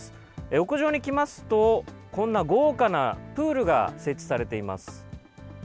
屋上に来ますと、こんな豪華なプールが設置されています。